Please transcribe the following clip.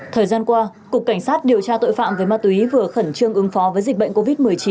thời gian qua cục cảnh sát điều tra tội phạm về ma túy vừa khẩn trương ứng phó với dịch bệnh covid một mươi chín